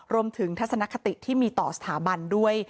ทัศนคติที่มีต่อสถาบันด้วย